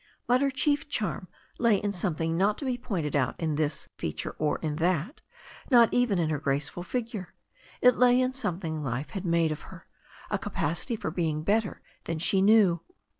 But her chief charm lay in something not to be pointed out in this feature or in that, not even in her graceful figure. It lay in something life had made of her, a capacity for being better than she knew.